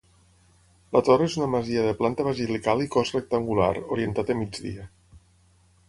La Tor és una masia de planta basilical i cos rectangular, orientat a migdia.